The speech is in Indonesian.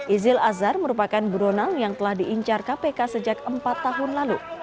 izil azhar merupakan buronan yang telah diincar kpk sejak empat tahun lalu